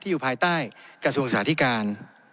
ที่อยู่ภายใต้กระทรวงสาธิการ